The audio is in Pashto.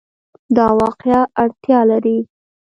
دا واقعیا اړتیا لري